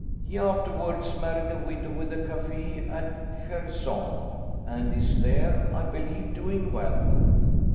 He afterwards married a widow with a café at Vierzon, and is there, I believe, doing well.